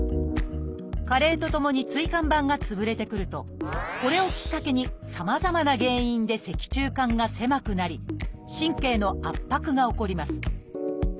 加齢とともに椎間板が潰れてくるとこれをきっかけにさまざまな原因で脊柱管が狭くなり神経の圧迫が起こります。